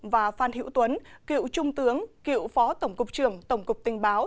và phan hiễu tuấn cựu trung tướng cựu phó tổng cục trưởng tổng cục tình báo